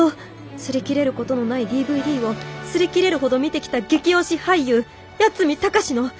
擦り切れることのないＤＶＤを擦り切れるほど見てきた激推し俳優八海崇の！